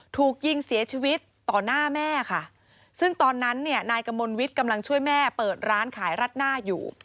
ถูกยิงเสียชีวิตต่อหน้าแม่ค่ะซึ่งตอนนั้นเนี่ยนายกมลวิทย์กำลังช่วยแม่เปิดร้านขายรัดหน้าอยู่